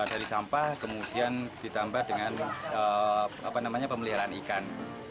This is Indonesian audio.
dari sampah kemudian ditambah dengan pemeliharaan ikan